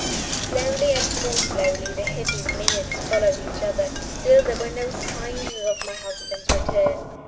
Slowly and more slowly the heavy minutes followed each other, and still there were no signs of my husband's return.